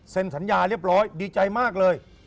สัญญาเรียบร้อยดีใจมากเลย